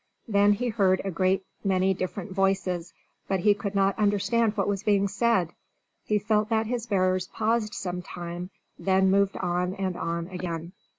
Then he heard a great many different voices, but he could not understand what was being said. He felt that his bearers paused some time, then moved on and on again.